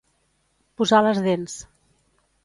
Posar les dents.